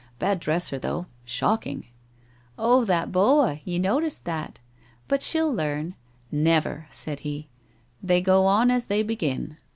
' Bad dresser, though. Shocking/ ' Ob, that boa! You noticed that ! But she'll learn '* Never !' said he. ' They go on as they begin.